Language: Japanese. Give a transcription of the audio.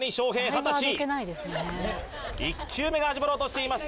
二十歳１球目が始まろうとしています